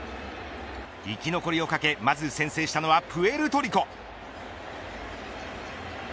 生き残りをかけまず先制したのはプエルトリコ。